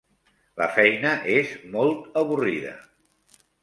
La feina és molt avorrida.